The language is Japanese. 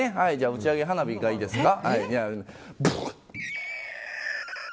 打ち上げ花火がいいですか？